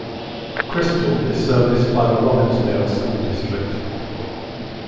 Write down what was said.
Crystal is serviced by the Robbinsdale School District.